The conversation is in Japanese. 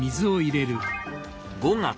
５月。